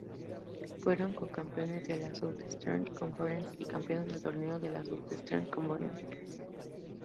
Fueron co-campeones de la Southeastern Conference y campeones del torneo de la Southeastern Conference.